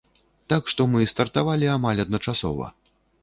Так што мы стартавалі амаль адначасова.